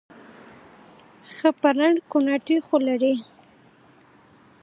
ښه پرل کوناټي خو لري